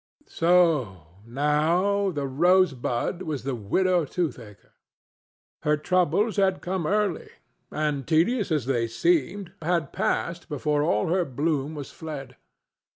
So now the Rosebud was the widow Toothaker. Her troubles had come early, and, tedious as they seemed, had passed before all her bloom was fled.